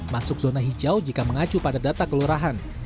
masuk zona hijau jika mengacu pada data kelurahan